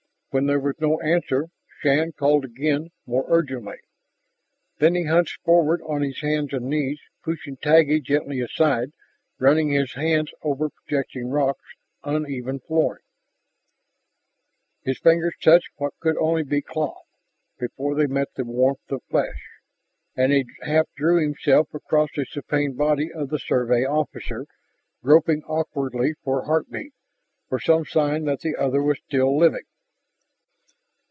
When there was no answer, Shann called again, more urgently. Then he hunched forward on his hands and knees, pushing Taggi gently aside, running his hands over projecting rocks, uneven flooring. His fingers touched what could only be cloth, before they met the warmth of flesh. And he half threw himself against the supine body of the Survey officer, groping awkwardly for heartbeat, for some sign that the other was still living.